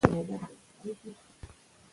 پاچا به تل په حرمسرا کې وخت تېراوه.